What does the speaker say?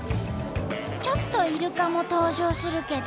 ちょっとイルカも登場するけど。